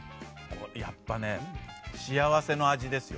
やっぱね、幸せの味ですよ。